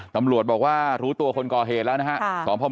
ตำรวจบอกว่ารู้ตัวคนก่อเหตุแล้วนะครับ